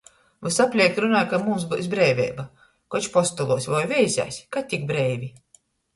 Vysapleik runoj, ka mums byus breiveiba — koč postoluos voi veizēs, ka tik breivi...